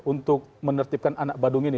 untuk menertibkan anak badung ini